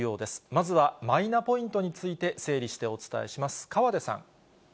まずはマイナポイントについて整理してお伝えします。